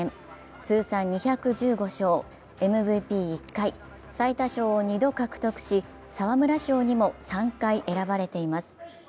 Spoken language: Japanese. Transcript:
通算２１５勝、ＭＶＰ１回、最多勝を２度獲得し、沢村賞にも３回選ばれています。